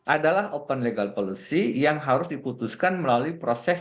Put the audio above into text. adalah open legal policy yang harus diputuskan melalui proses